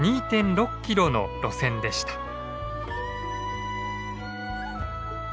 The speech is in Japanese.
２．６キロの路線でした。